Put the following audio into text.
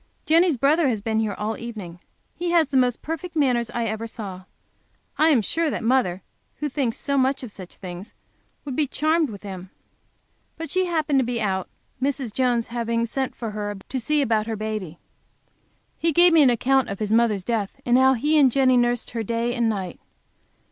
Jenny's brother has been here all evening. He has the most perfect manners I ever saw. I am sure that mother, who thinks so much of such things, would be charmed with him but she happened to be out, Mrs. Jones having sent for her to see about her baby. He gave me an account of his mother's death, and how he and Jenny nursed her day and night.